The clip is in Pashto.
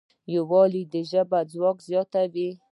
یووالی د ژبې ځواک زیاتوي.